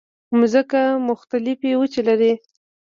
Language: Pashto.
مځکه مختلفې وچې لري.